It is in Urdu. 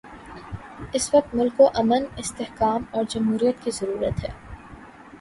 اس وقت ملک کو امن، استحکام اور جمہوریت کی ضرورت ہے۔